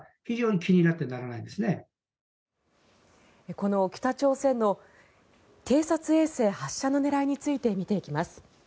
この北朝鮮の偵察衛星発射の狙いについて見ていきます。